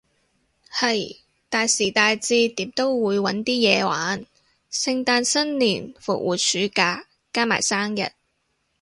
係，大時大節點都會搵啲嘢玩，聖誕新年復活暑假，加埋生日